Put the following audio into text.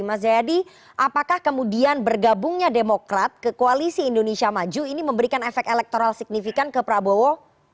mas jayadi apakah kemudian bergabungnya demokrat ke koalisi indonesia maju ini memberikan efek elektoral signifikan ke prabowo